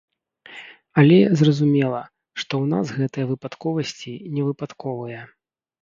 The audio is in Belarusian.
Але, зразумела, што ў нас гэтыя выпадковасці не выпадковыя.